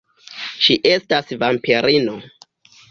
Ŝi estas vampirino.